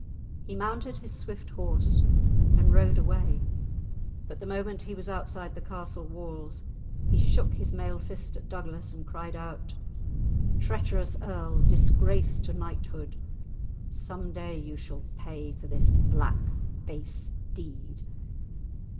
He mounted his swift horse and rode away, but the moment he was outside the castle walls he shook his mailed fist at Douglas and cried out— "Treacherous earl, disgrace to knighthood, some day you shall pay for this black, base deed!"